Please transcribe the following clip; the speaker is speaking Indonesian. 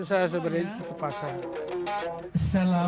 assalamualaikum salam sejahtera